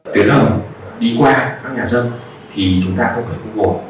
tuyển hầm đi qua các nhà dân thì chúng ta không phải vô cùng buồn